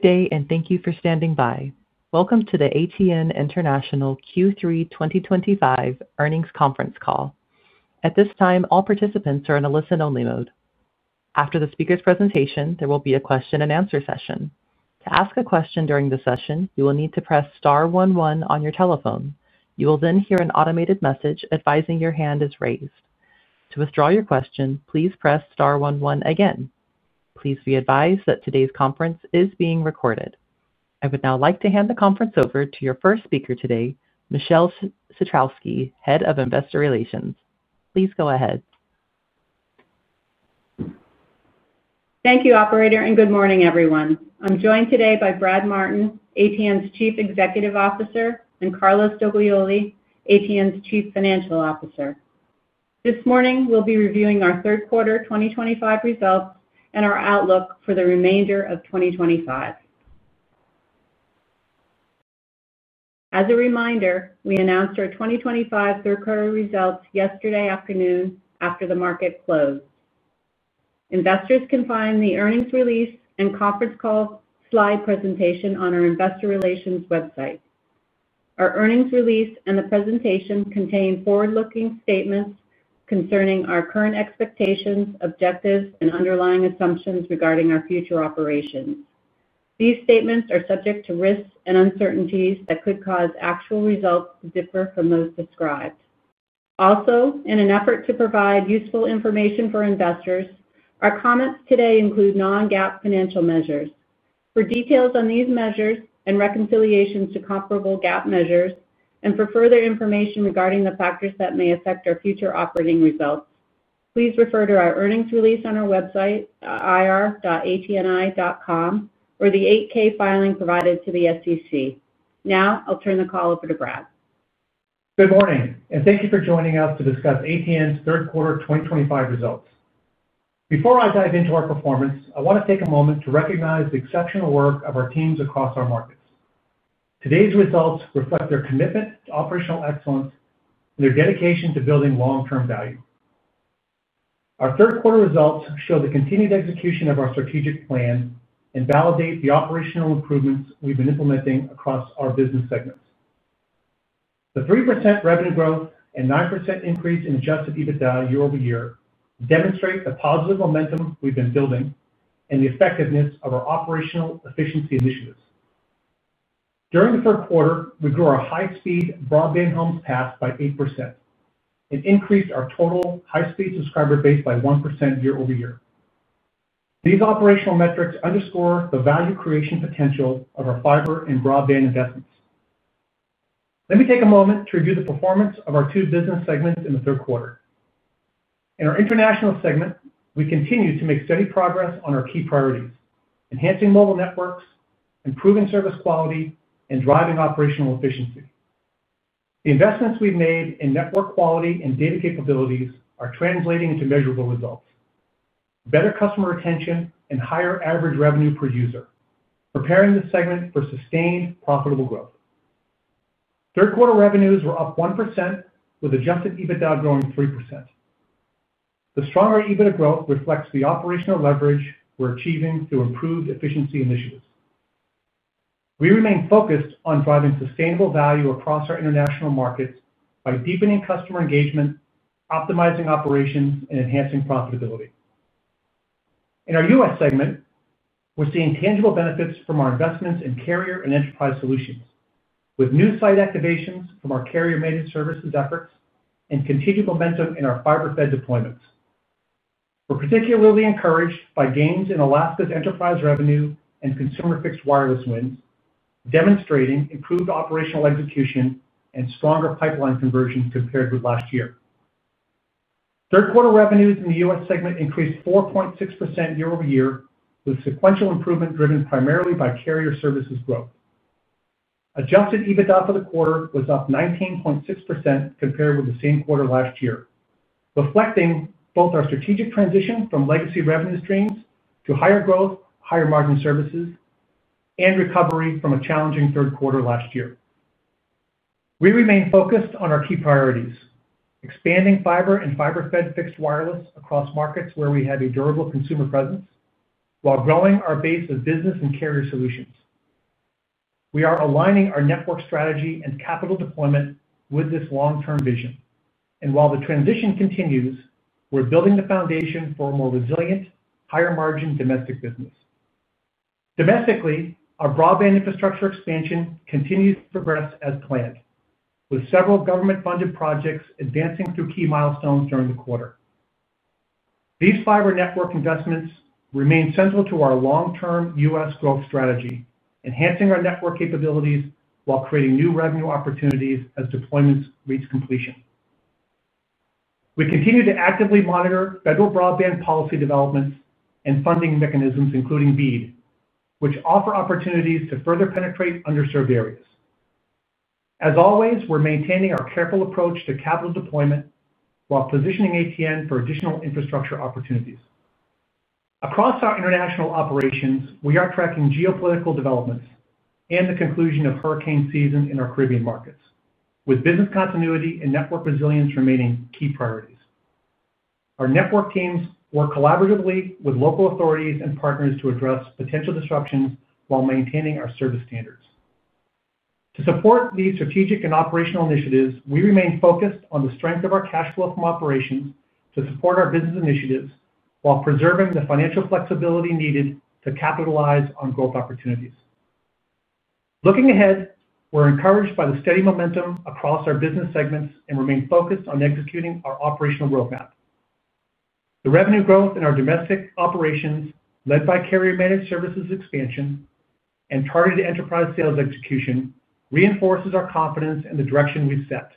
Good day, and thank you for standing by. Welcome to the ATN International Q3 2025 earnings conference call. At this time, all participants are in a listen-only mode. After the speaker's presentation, there will be a question-and-answer session. To ask a question during the session, you will need to press star one one on your telephone. You will then hear an automated message advising your hand is raised. To withdraw your question, please press star one one again. Please be advised that today's conference is being recorded. I would now like to hand the conference over to your first speaker today, Michele Satrowsky, Head of Investor Relations. Please go ahead. Thank you, Operator, and good morning, everyone. I'm joined today by Brad Martin, ATN's Chief Executive Officer, and Carlos Doglioli, ATN's Chief Financial Officer. This morning, we'll be reviewing our third quarter 2025 results and our outlook for the remainder of 2025. As a reminder, we announced our 2025 third quarter results yesterday afternoon after the market closed. Investors can find the earnings release and conference call slide presentation on our Investor Relations website. Our earnings release and the presentation contain forward-looking statements concerning our current expectations, objectives, and underlying assumptions regarding our future operations. These statements are subject to risks and uncertainties that could cause actual results to differ from those described. Also, in an effort to provide useful information for investors, our comments today include non-GAAP financial measures. For details on these measures and reconciliations to comparable GAAP measures, and for further information regarding the factors that may affect our future operating results, please refer to our earnings release on our website, ir.atni.com, or the 8-K filing provided to the SEC. Now, I'll turn the call over to Brad. Good morning, and thank you for joining us to discuss ATN's third quarter 2025 results. Before I dive into our performance, I want to take a moment to recognize the exceptional work of our teams across our markets. Today's results reflect their commitment to operational excellence and their dedication to building long-term value. Our third quarter results show the continued execution of our strategic plan and validate the operational improvements we've been implementing across our business segments. The 3% revenue growth and 9% increase in Adjusted EBITDA year-over-year demonstrate the positive momentum we've been building and the effectiveness of our operational efficiency initiatives. During the third quarter, we grew our high-speed broadband homes passed by 8%. We increased our total high-speed subscriber base by 1% year-over-year. These operational metrics underscore the value creation potential of our fiber and broadband investments. Let me take a moment to review the performance of our two business segments in the third quarter. In our international segment, we continue to make steady progress on our key priorities: enhancing mobile networks, improving service quality, and driving operational efficiency. The investments we've made in network quality and data capabilities are translating into measurable results: better customer retention and higher average revenue per user, preparing the segment for sustained profitable growth. Third quarter revenues were up 1%, with Adjusted EBITDA growing 3%. The stronger EBITDA growth reflects the operational leverage we're achieving through improved efficiency initiatives. We remain focused on driving sustainable value across our international markets by deepening customer engagement, optimizing operations, and enhancing profitability. In our US segment, we're seeing tangible benefits from our investments in carrier and enterprise solutions, with new site activations from our carrier-managed services efforts and continued momentum in our fiber-fed deployments. We're particularly encouraged by gains in Alaska's enterprise revenue and consumer-fixed wireless wins, demonstrating improved operational execution and stronger pipeline conversion compared with last year. Third quarter revenues in the U.S. segment increased 4.6% year-over-year, with sequential improvement driven primarily by carrier services growth. Adjusted EBITDA for the quarter was up 19.6% compared with the same quarter last year, reflecting both our strategic transition from legacy revenue streams to higher growth, higher margin services, and recovery from a challenging third quarter last year. We remain focused on our key priorities: expanding fiber and fiber-fed fixed wireless across markets where we have a durable consumer presence, while growing our base of business and carrier solutions. We are aligning our network strategy and capital deployment with this long-term vision. While the transition continues, we're building the foundation for a more resilient, higher-margin domestic business. Domestically, our broadband infrastructure expansion continues to progress as planned, with several government-funded projects advancing through key milestones during the quarter. These fiber network investments remain central to our long-term US growth strategy, enhancing our network capabilities while creating new revenue opportunities as deployments reach completion. We continue to actively monitor federal broadband policy developments and funding mechanisms, including BEAD, which offer opportunities to further penetrate underserved areas. As always, we're maintaining our careful approach to capital deployment while positioning ATN for additional infrastructure opportunities. Across our international operations, we are tracking geopolitical developments and the conclusion of hurricane season in our Caribbean markets, with business continuity and network resilience remaining key priorities. Our network teams work collaboratively with local authorities and partners to address potential disruptions while maintaining our service standards. To support these strategic and operational initiatives, we remain focused on the strength of our cash flow from operations to support our business initiatives while preserving the financial flexibility needed to capitalize on growth opportunities. Looking ahead, we're encouraged by the steady momentum across our business segments and remain focused on executing our operational roadmap. The revenue growth in our domestic operations, led by carrier-managed services expansion and targeted enterprise sales execution, reinforces our confidence in the direction we've set,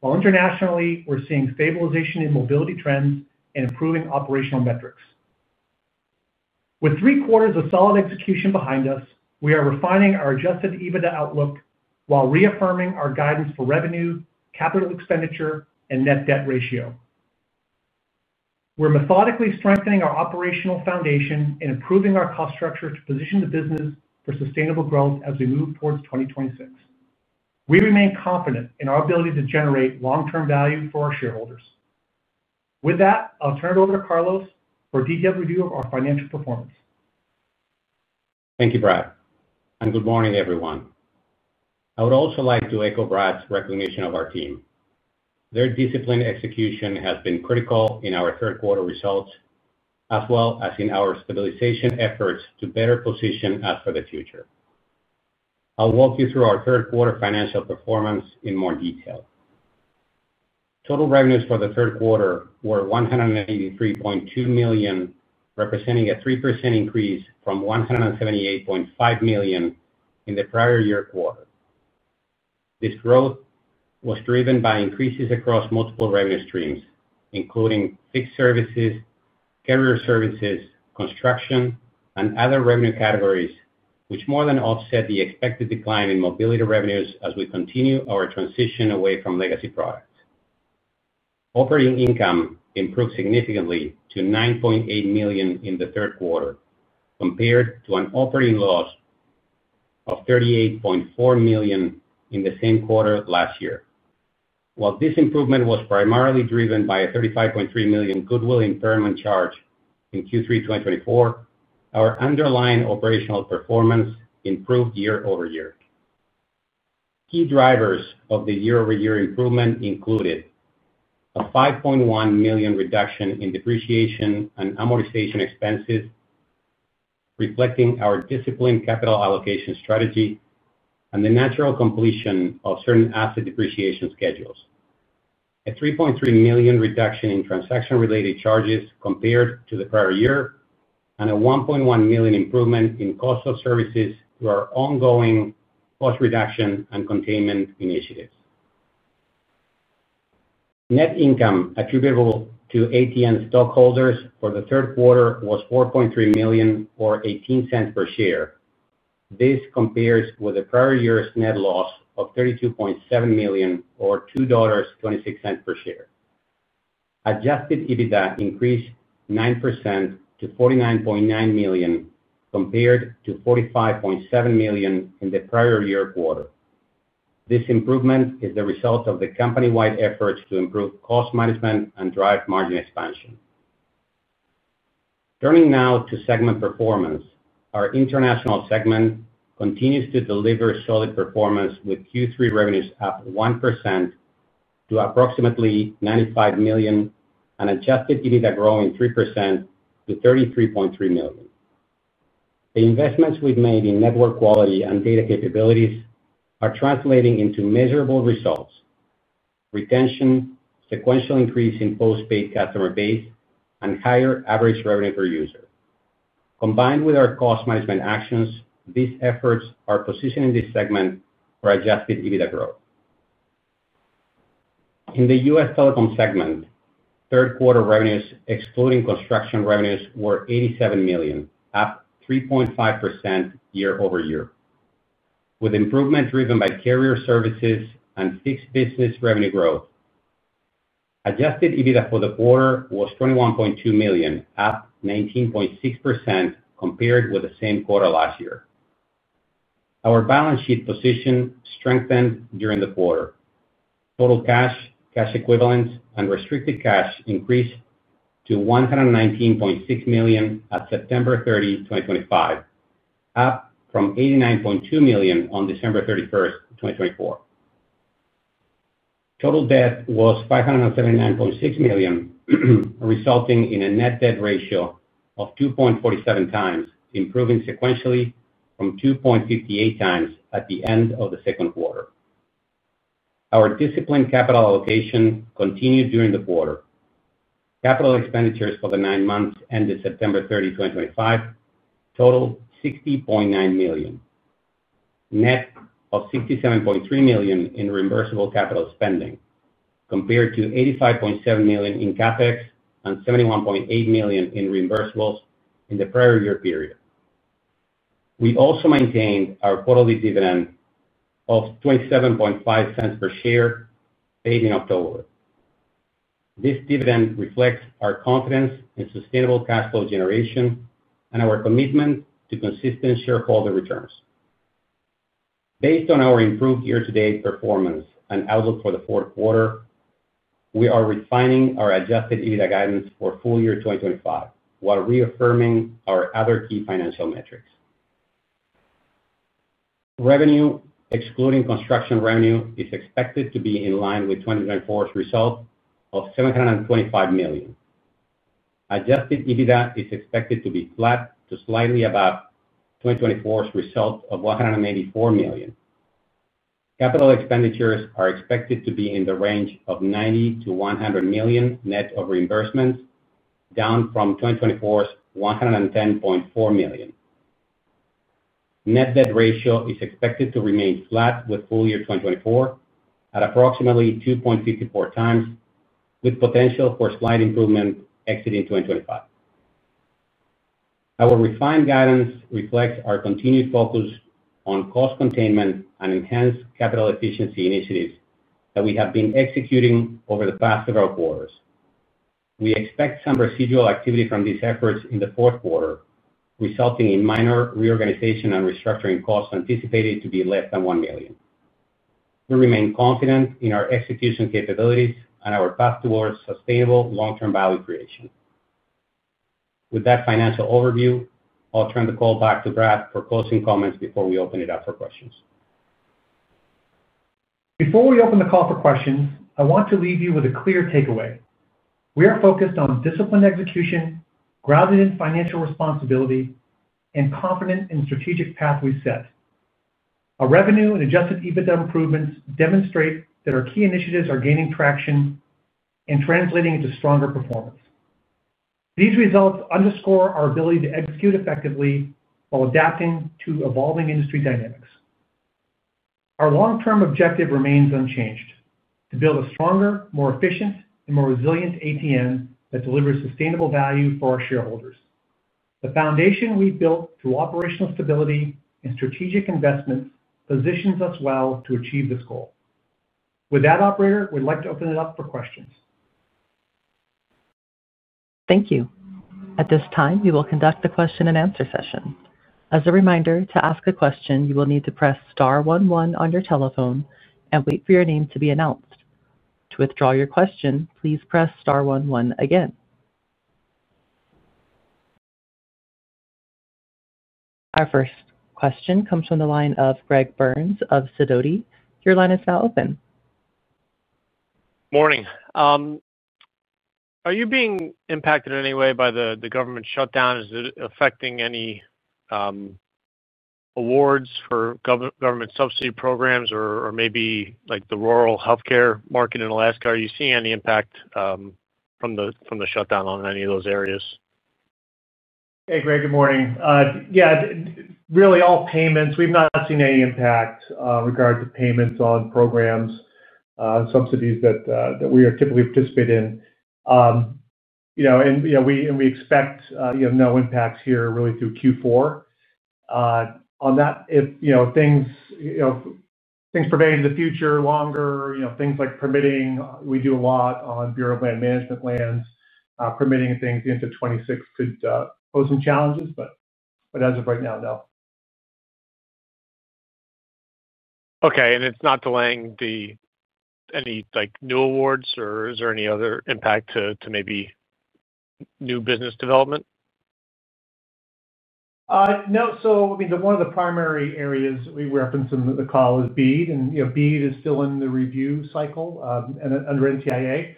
while internationally, we're seeing stabilization in mobility trends and improving operational metrics. With three quarters of solid execution behind us, we are refining our Adjusted EBITDA outlook while reaffirming our guidance for revenue, capital expenditure, and net debt ratio. We're methodically strengthening our operational foundation and improving our cost structure to position the business for sustainable growth as we move towards 2026. We remain confident in our ability to generate long-term value for our shareholders. With that, I'll turn it over to Carlos for a detailed review of our financial performance. Thank you, Brad. Good morning, everyone. I would also like to echo Brad's recognition of our team. Their disciplined execution has been critical in our third quarter results, as well as in our stabilization efforts to better position us for the future. I'll walk you through our third quarter financial performance in more detail. Total revenues for the third quarter were $183.2 million, representing a 3% increase from $178.5 million in the prior year quarter. This growth was driven by increases across multiple revenue streams, including fixed services, carrier services, construction, and other revenue categories, which more than offset the expected decline in mobility revenues as we continue our transition away from legacy products. Operating income improved significantly to $9.8 million in the third quarter, compared to an operating loss of $38.4 million in the same quarter last year. While this improvement was primarily driven by a $35.3 million goodwill impairment charge in Q3 2024, our underlying operational performance improved year-over-year. Key drivers of the year-over-year improvement included a $5.1 million reduction in depreciation and amortization expenses, reflecting our disciplined capital allocation strategy, and the natural completion of certain asset depreciation schedules. A $3.3 million reduction in transaction-related charges compared to the prior year, and a $1.1 million improvement in cost of services through our ongoing cost reduction and containment initiatives. Net income attributable to ATN stockholders for the third quarter was $4.3 million, or $0.18 per share. This compares with the prior year's net loss of $32.7 million, or $2.26 per share. Adjusted EBITDA increased 9% to $49.9 million, compared to $45.7 million in the prior year quarter. This improvement is the result of the company-wide efforts to improve cost management and drive margin expansion. Turning now to segment performance, our international segment continues to deliver solid performance with Q3 revenues up 1% to approximately $95 million, and Adjusted EBITDA growing 3% to $33.3 million. The investments we've made in network quality and data capabilities are translating into measurable results. Retention, sequential increase in post-paid customer base, and higher average revenue per user. Combined with our cost management actions, these efforts are positioning this segment for Adjusted EBITDA growth. In the US telecom segment, third quarter revenues, excluding construction revenues, were $87 million, up 3.5% year-over-year, with improvement driven by carrier services and fixed business revenue growth. Adjusted EBITDA for the quarter was $21.2 million, up 19.6% compared with the same quarter last year. Our balance sheet position strengthened during the quarter. Total cash, cash equivalents, and restricted cash increased to $119.6 million at September 30, 2025. Up from $89.2 million on December 31, 2024. Total debt was $579.6 million, resulting in a net debt ratio of 2.47x, improving sequentially from 2.58x at the end of the second quarter. Our disciplined capital allocation continued during the quarter. Capital expenditures for the nine months ended September 30, 2025, totaled $60.9 million, net of $67.3 million in reimbursable capital spending, compared to $85.7 million in CapEx and $71.8 million in reimbursables in the prior year period. We also maintained our quarterly dividend of $0.275 per share paid in October. This dividend reflects our confidence in sustainable cash flow generation and our commitment to consistent shareholder returns. Based on our improved year-to-date performance and outlook for the fourth quarter, we are refining our Adjusted EBITDA guidance for full year 2025 while reaffirming our other key financial metrics. Revenue, excluding construction revenue, is expected to be in line with 2024's result of $725 million. Adjusted EBITDA is expected to be flat to slightly above 2024's result of $184 million. Capital expenditures are expected to be in the range of $90 million-$100 million net of reimbursements, down from 2024's $110.4 million. Net debt ratio is expected to remain flat with full year 2024 at approximately 2.54x, with potential for slight improvement exiting 2025. Our refined guidance reflects our continued focus on cost containment and enhanced capital efficiency initiatives that we have been executing over the past several quarters. We expect some residual activity from these efforts in the fourth quarter, resulting in minor reorganization and restructuring costs anticipated to be less than $1 million. We remain confident in our execution capabilities and our path towards sustainable long-term value creation. With that financial overview, I'll turn the call back to Brad for closing comments before we open it up for questions. Before we open the call for questions, I want to leave you with a clear takeaway. We are focused on disciplined execution, grounded in financial responsibility, and confident in the strategic path we have set. Our revenue and Adjusted EBITDA improvements demonstrate that our key initiatives are gaining traction and translating into stronger performance. These results underscore our ability to execute effectively while adapting to evolving industry dynamics. Our long-term objective remains unchanged: to build a stronger, more efficient, and more resilient ATN that delivers sustainable value for our shareholders. The foundation we have built through operational stability and strategic investments positions us well to achieve this goal. With that, Operator, we would like to open it up for questions. Thank you. At this time, we will conduct the question-and-answer session. As a reminder, to ask a question, you will need to press star one one on your telephone and wait for your name to be announced. To withdraw your question, please press star one one again. Our first question comes from the line of Greg Burns of Sidoti. Your line is now open. Morning. Are you being impacted in any way by the government shutdown? Is it affecting any awards for government subsidy programs or maybe the rural healthcare market in Alaska? Are you seeing any impact from the shutdown on any of those areas? Hey, Greg. Good morning. Yeah. Really, all payments. We've not seen any impact regarding payments on programs. Subsidies that we are typically participating in. We expect no impacts here really through Q4. On that, if things pervade into the future longer, things like permitting, we do a lot on Bureau of Land Management lands. Permitting things into 2026 could pose some challenges, but as of right now, no. Okay. It's not delaying any new awards, or is there any other impact to maybe new business development? No. I mean, one of the primary areas we referenced in the call is BEAD, and BEAD is still in the review cycle under NTIA.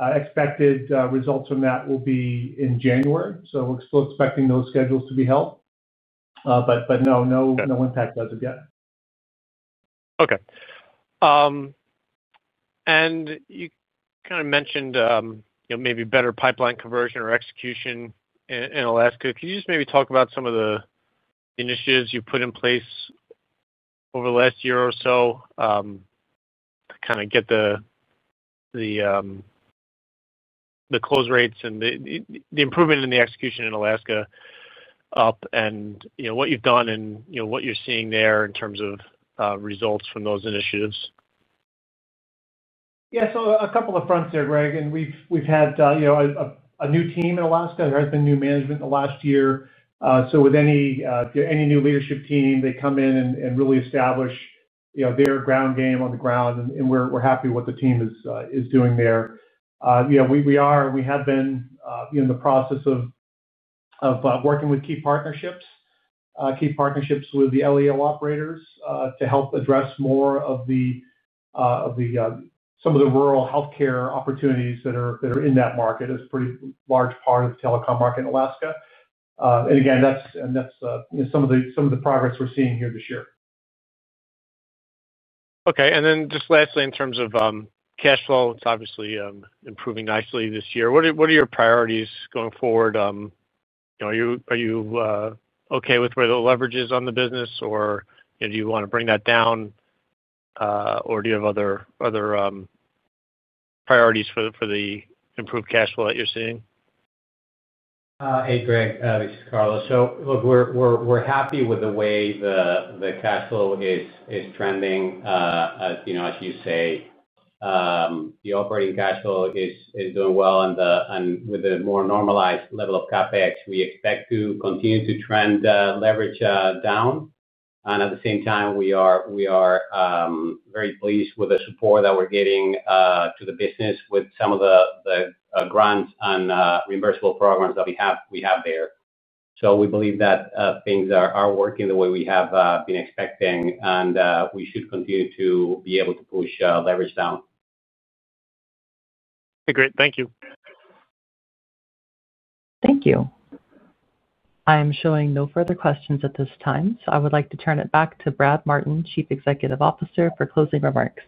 Expected results from that will be in January. We are still expecting those schedules to be held. No, no impact as of yet. Okay. You kind of mentioned maybe better pipeline conversion or execution in Alaska. Could you just maybe talk about some of the initiatives you've put in place over the last year or so to kind of get the close rates and the improvement in the execution in Alaska up and what you've done and what you're seeing there in terms of results from those initiatives? Yeah. A couple of fronts there, Greg. We've had a new team in Alaska. There has been new management in the last year. With any new leadership team, they come in and really establish their ground game on the ground, and we're happy with what the team is doing there. We are, and we have been in the process of working with key partnerships. Key partnerships with the LEO operators to help address more of the rural healthcare opportunities that are in that market. It's a pretty large part of the telecom market in Alaska. Again, that's some of the progress we're seeing here this year. Okay. Lastly, in terms of cash flow, it's obviously improving nicely this year. What are your priorities going forward? Are you okay with where the leverage is on the business, or do you want to bring that down? Or do you have other priorities for the improved cash flow that you're seeing? Hey, Greg. This is Carlos. Look, we're happy with the way the cash flow is trending. As you say, the operating cash flow is doing well. With the more normalized level of CapEx, we expect to continue to trend leverage down. At the same time, we are very pleased with the support that we're getting to the business with some of the grants and reimbursable programs that we have there. We believe that things are working the way we have been expecting, and we should continue to be able to push leverage down. Hey, great. Thank you. Thank you. I am showing no further questions at this time, so I would like to turn it back to Brad Martin, Chief Executive Officer, for closing remarks.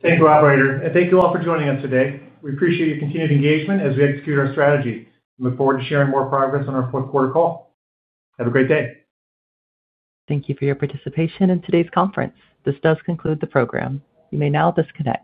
Thank you, Operator. Thank you all for joining us today. We appreciate your continued engagement as we execute our strategy. We look forward to sharing more progress on our fourth quarter call. Have a great day. Thank you for your participation in today's conference. This does conclude the program. You may now disconnect.